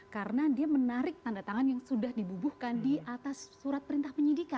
karena dia menarik tanda tangan yang sudah dibubuhkan di atas surat perintah penyidikan